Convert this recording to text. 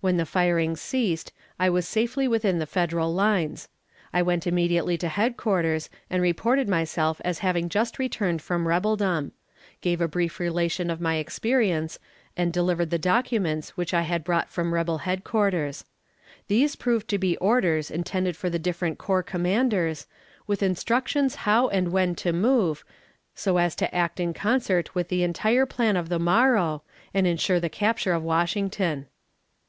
When the firing ceased, I was safely within the Federal lines. I went immediately to headquarters, and reported myself as having just returned from rebeldom; gave a brief relation of my experience, and delivered the documents which I had brought from rebel headquarters. These proved to be orders intended for the different corps commanders, with instructions how and when to move, so as to act in concert with the entire plan of the morrow, and insure the capture of Washington.